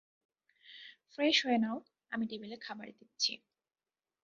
Fresh হয়ে নাও, আমি টেবিলে খাবার দিচ্ছি।